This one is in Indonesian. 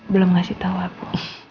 belum ngasih tau aku